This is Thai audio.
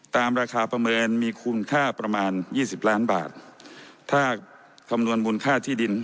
ตามราคาประเมินมีคุณค่าประมาณยี่สิบล้านบาทถ้าคำนวณมูลค่าที่ดิน